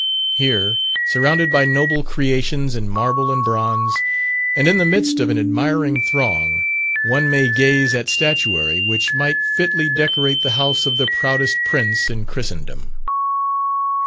Here, surrounded by noble creations in marble and bronze, and in the midst of an admiring throng, one may gaze at statuary which might fitly decorate the house of the proudest prince in Christendom.